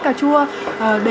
cà chua để